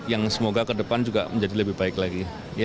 yang semoga kedepan juga menjadi lebih baik lagi